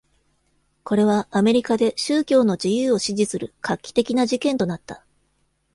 これはアメリカで宗教の自由を支持する画期的な事件となった。